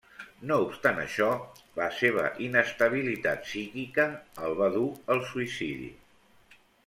No obstant això, la seva inestabilitat psíquica el va dur al suïcidi.